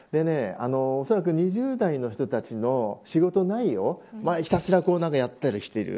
おそらく２０代の人たちの仕事内容ひたすら、やったりしている。